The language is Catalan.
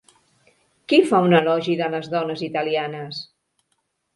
Qui fa un elogi de les dones italianes?